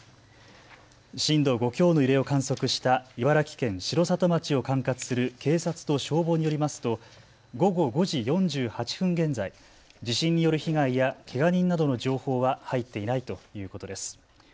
震度５強の揺れを観測した茨城県城里町を管轄する警察と消防によりますと午後５時４８分現在、地震による被害やけが人などの情報は入っていないということです。